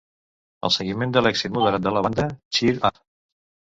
El seguiment de l"èxit moderat de la banda Cheer Up!